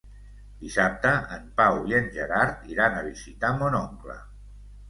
Dissabte en Pau i en Gerard iran a visitar mon oncle.